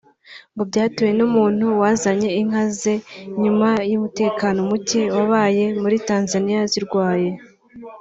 ngo byatewe n’umuntu wazanye inka ze nyuma y’umutekano mucye wabaye muri Tanzaniya zirwaye